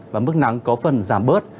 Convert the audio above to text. và mức nắng có phần giảm bớt